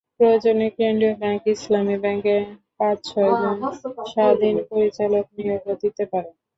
প্রয়োজনে কেন্দ্রীয় ব্যাংক ইসলামী ব্যাংকে পাঁচ-ছয়জন স্বাধীন পরিচালক নিয়োগও দিতে পারে।